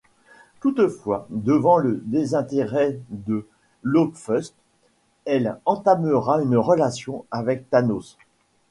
Toutefois devant le désintérêt de Lanfeust, elle entamera une relation avec Thanos.